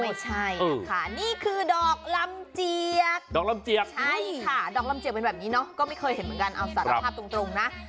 ไม่ใช่นะคะนี่คือดอกลำเจียกดอกลำเจียกใช่ค่ะดอกลำเจียเป็นแบบนี้เนาะก็ไม่เคยเห็นเหมือนกันเอาสารภาพตรงนะ